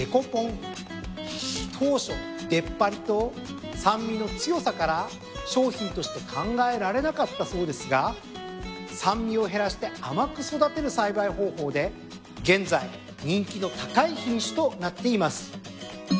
当初出っ張りと酸味の強さから商品として考えられなかったそうですが酸味を減らして甘く育てる栽培方法で現在人気の高い品種となっています。